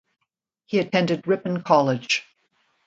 He attended Ripon College.